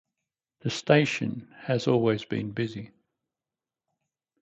The station has always been busy.